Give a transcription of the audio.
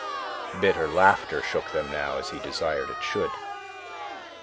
Bitter laughter shook them now, as he desired it should.